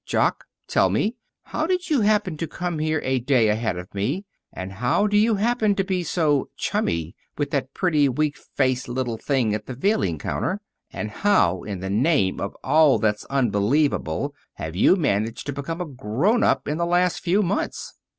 "Jock, tell me, how did you happen to come here a day ahead of me, and how do you happen to be so chummy with that pretty, weak faced little thing at the veiling counter, and how, in the name of all that's unbelievable, have you managed to become a grown up in the last few months?"